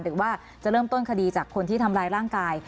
หรือว่าจะเริ่มต้นคดีจากคนที่ทำร้ายร่างกาย